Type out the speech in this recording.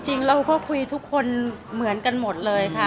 จริงเราก็คุยทุกคนเหมือนกันหมดเลยค่ะ